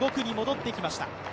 ５区に戻ってきました。